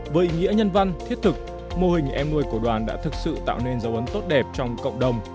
với ý nghĩa nhân văn thiết thực mô hình em nuôi của đoàn đã thực sự tạo nên dấu ấn tốt đẹp trong cộng đồng